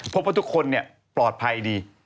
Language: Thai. พบว่าทุกคนปลอดภัยดี